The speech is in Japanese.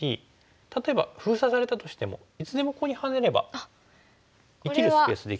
例えば封鎖されたとしてもいつでもここにハネれば生きるスペースできそうですよね。